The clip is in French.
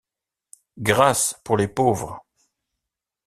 Grâce pour les pauvres!